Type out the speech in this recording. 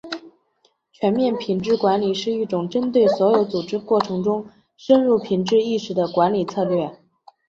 全面品质管理是一种针对所有组织过程中深入品质意识的管理策略。